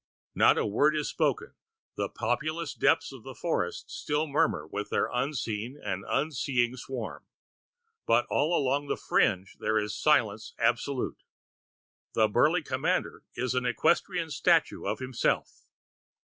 Not a word is spoken; the populous depths of the forest still murmur with their unseen and unseeing swarm, but all along the fringe there is silence absolute. The burly commander is an equestrian statue of himself.